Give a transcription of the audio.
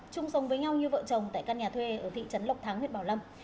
chung sống với nhau như vợ chồng tại căn nhà thuê ở thị trấn lộc thắng huyện bảo lâm